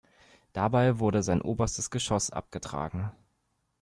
Dabei wurde sein oberstes Geschoss abgetragen.